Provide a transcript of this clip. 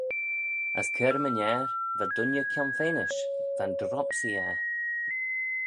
As cur-my-ner, va dooinney kionfenish, va'n dropsee er.